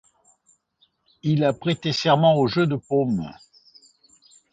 Il a prêté serment au Jeu de Paume.